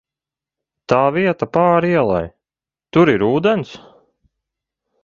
Tā vieta pāri ielai, tur ir ūdens?